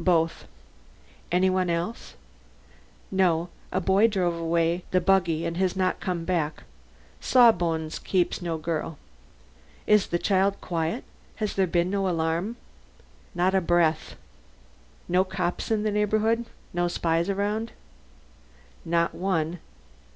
"Both." "Any one else?" "No. A boy drove away the buggy and has not come back. Sawbones keeps no girl." "Is the child quiet? Has there been no alarm?" "Not a breath." "No cops in the neighborhood? No spies around?" "Not one.